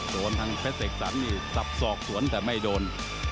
โดนทางเพชรเสกสรรนี่สับสอกสวนแต่ไม่โดน